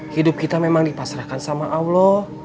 hidup kita memang dipasrahkan sama allah